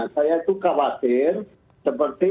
saya itu khawatir seperti